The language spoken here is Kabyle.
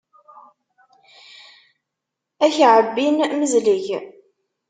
Ad ak-ɛebbin, mezleg.